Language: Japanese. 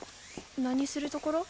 何するところ？